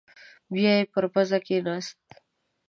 بيايې پر پزه کېناست.